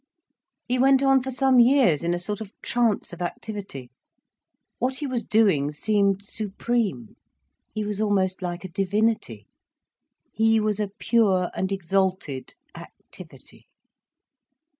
He went on for some years in a sort of trance of activity. What he was doing seemed supreme, he was almost like a divinity. He was a pure and exalted activity.